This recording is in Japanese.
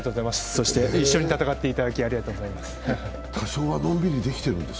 そして一緒に戦っていただきありがとうございます。